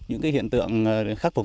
những hiện tượng khắc phục